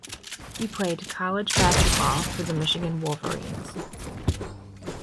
He played college basketball for the Michigan Wolverines.